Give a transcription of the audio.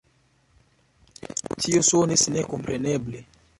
Tio sonis ne kompreneble.